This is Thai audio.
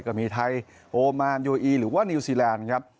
ก็มีไทยโอมานโยอีหรือว่านิวซีแลนด์ครับ